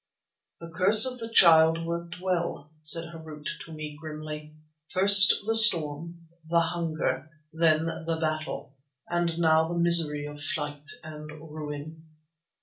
"The curse of the Child worked well," said Harût to me grimly. "First, the storm; the hunger; then the battle; and now the misery of flight and ruin."